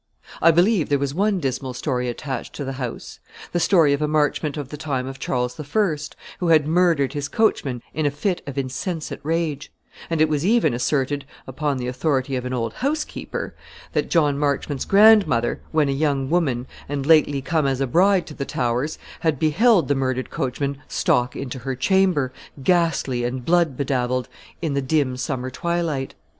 I believe there was one dismal story attached to the house, the story of a Marchmont of the time of Charles I, who had murdered his coachman in a fit of insensate rage; and it was even asserted, upon the authority of an old housekeeper, that John Marchmont's grandmother, when a young woman and lately come as a bride to the Towers, had beheld the murdered coachman stalk into her chamber, ghastly and blood bedabbled, in the dim summer twilight.